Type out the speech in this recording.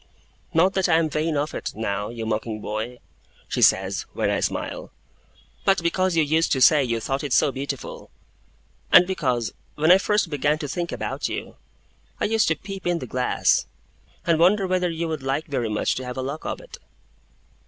'Not that I am vain of it, now, you mocking boy,' she says, when I smile; 'but because you used to say you thought it so beautiful; and because, when I first began to think about you, I used to peep in the glass, and wonder whether you would like very much to have a lock of it.